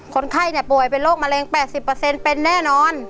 คนไข้ป่วยเป็นโรคมะเร็ง๘๐เป็นแน่นอน